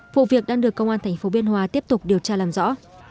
vụ việc đang được công an tp biên hòa tiếp tục điều tra làm rõ